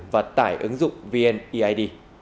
và tải ứng dụng vneid